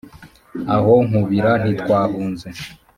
aho nkubira ntitwahunze,